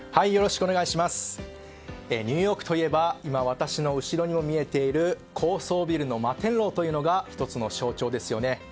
ニューヨークといえば今私の後ろにも見える高層ビルの摩天楼というのが１つの象徴ですよね。